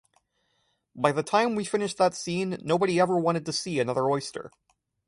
By the time we finished that scene, nobody ever wanted to see another oyster.